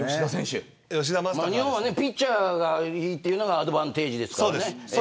日本はピッチャーがいいというのがアドバンテージですから。